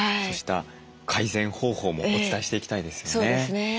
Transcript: そうした改善方法もお伝えしていきたいですよね。